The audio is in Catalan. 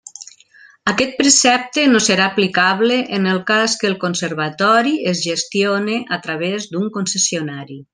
Aquest precepte no serà aplicable en el cas que el conservatori es gestione a través d'un concessionari.